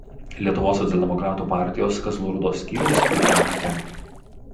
Lietuvos socialdemokratų partijos Kazlų Rūdos skyriaus pirmininkė.